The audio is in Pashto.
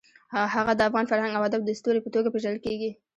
هغه د افغان فرهنګ او ادب د ستوري په توګه پېژندل کېږي.